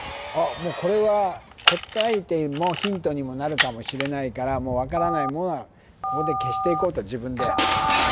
もうこれは答えてもヒントにもなるかもしれないからもう分からないものはここで消していこうと自分でかーっ